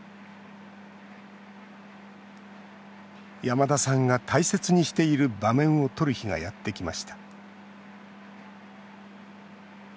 山田さんが大切にしている場面を撮る日がやってきました。